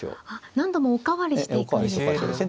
何度もおかわりしていくんですか。